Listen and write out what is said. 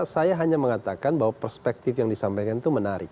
saya hanya mengatakan bahwa perspektif yang disampaikan itu menarik